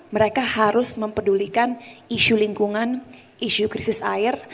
mereka harus mempedulikan isu lingkungan isu krisis air